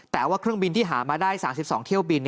แต่ว่าเครื่องบินที่หามาได้๓๒เที่ยวบิน